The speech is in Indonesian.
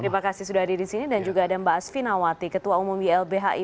terima kasih sudah hadir di sini dan juga ada mbak asvinawati ketua umum ylbhi